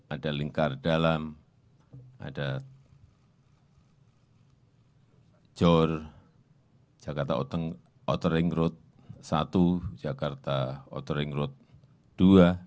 ada lingkar dalam ada jor jakarta outer ring road satu jakarta outer ring road dua